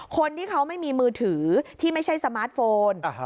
คนที่เขาไม่มีมือถือที่ไม่ใช่สมาร์ทโฟน